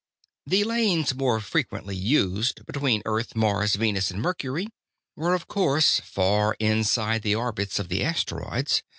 The lanes more frequently used, between Earth, Mars, Venus and Mercury, were of course far inside the orbits of the asteroids.